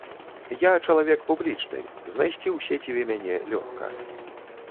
Я чалавек публічны, знайсці ў сеціве мяне лёгка.